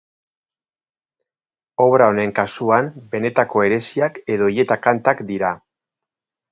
Obra honen kasuan benetako eresiak edo hileta-kantak dira.